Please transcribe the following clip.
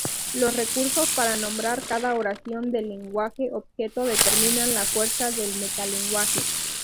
Los recursos para nombrar cada oración del lenguaje objeto determinan la fuerza del metalenguaje.